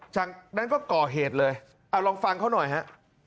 จากนั้นก็ก่อเหตุเลยเอาลองฟังเขาหน่อยฮะ